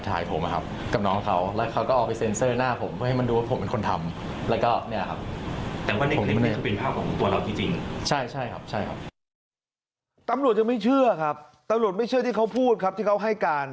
ตำรวจยังไม่เชื่อครับที่เขาพูดครับที่เขาให้การ